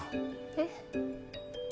えっ？